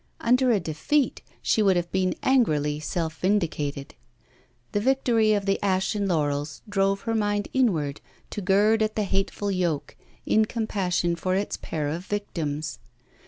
Under a defeat, she would have been angrily self vindicated. The victory of the ashen laurels drove her mind inward to gird at the hateful yoke, in compassion for its pair of victims.